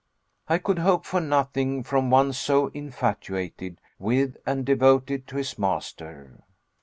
I could hope for nothing from one so infatuated with and devoted to his master.